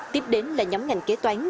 tiếp đến là nhóm ngành kế toán